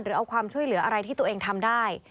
หรือเอาความช่วยเหลืออะไรที่ตัวเองทำได้